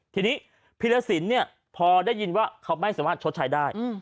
ทีนี้พีรสินเนี่ยพอได้ยินว่าเขาไม่สามารถชดใช้ได้